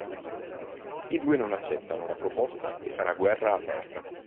I due non accettano la proposta e sarà guerra aperta.